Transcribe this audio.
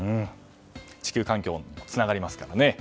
地球環境につながりますから。